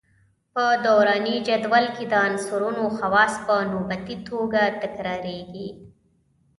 په دوراني جدول کې د عنصرونو خواص په نوبتي توګه تکراریږي.